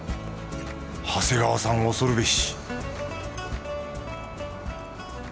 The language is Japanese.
長谷川さん恐るべし